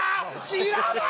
知らない！